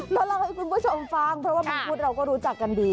ก็เล่าให้คุณผู้ชมฟังเพราะว่ามังคุดเราก็รู้จักกันดี